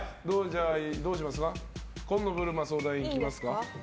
紺野ぶるま相談員いきますか。